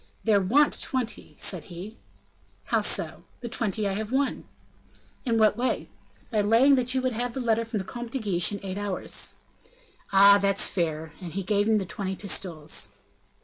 "There want twenty," said he. "How so?" "The twenty I have won." "In what way?" "By laying that you would have the letter from the Comte de Guiche in eight hours." "Ah! that's fair," and he gave him the twenty pistoles.